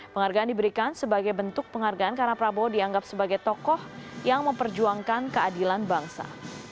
penghargaan diberikan sebagai bentuk penghargaan karena prabowo dianggap sebagai tokoh yang memperjuangkan keadilan bangsa